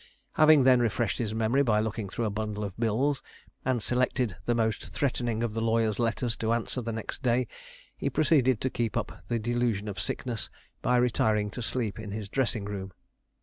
Having then refreshed his memory by looking through a bundle of bills, and selected the most threatening of the lawyers' letters to answer the next day, he proceeded to keep up the delusion of sickness, by retiring to sleep in his dressing room.